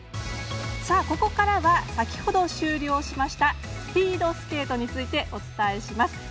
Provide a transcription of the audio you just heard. ここからは先ほど終了しましたスピードスケートについてお伝えします。